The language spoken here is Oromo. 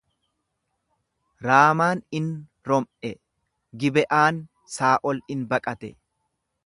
Raamaan in rom'e, Gibe'aan Saa'ol in baqate.